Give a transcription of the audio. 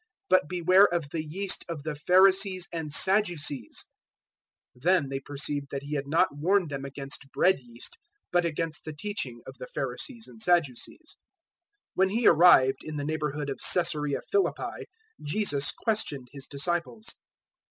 But beware of the yeast of the Pharisees and Sadducees." 016:012 Then they perceived that He had not warned them against bread yeast, but against the teaching of the Pharisees and Sadducees. 016:013 When He arrived in the neighbourhood of Caesarea Philippi, Jesus questioned His disciples.